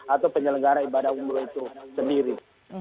atau penyelenggara ibadah umroh itu sendiri